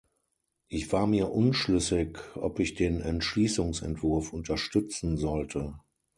Ich war mir unschlüssig, ob ich den Entschließungsentwurf unterstützen sollte.